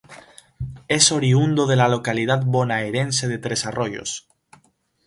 Es oriundo de la localidad bonaerense de Tres Arroyos.